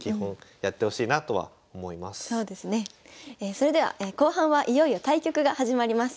それでは後半はいよいよ対局が始まります。